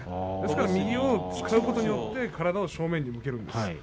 右を使うことによって体を正面に向けるんです。